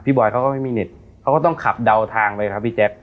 บอยเขาก็ไม่มีเน็ตเขาก็ต้องขับเดาทางไปครับพี่แจ๊ค